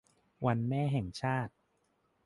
วันแม่แห่งชาติ